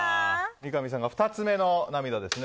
三上さんが２つ目の涙ですね。